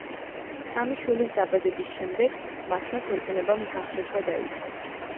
სამი შვილის დაბადების შემდეგ, მათმა ქორწინებამ გახლეჩვა დაიწყო.